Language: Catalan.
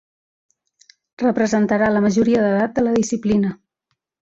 Representarà la majoria d'edat de la disciplina.